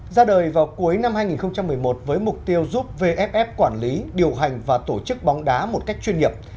ra đời vào cuối năm hai nghìn một mươi một với mục tiêu giúp vff quản lý điều hành và tổ chức bóng đá một cách chuyên nghiệp